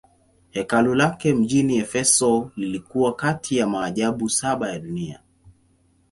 Hekalu lake mjini Efeso lilikuwa kati ya maajabu saba ya dunia.